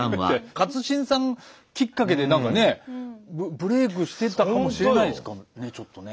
勝新さんきっかけでなんかねぇブレークしてたかもしれないですからねちょっとね。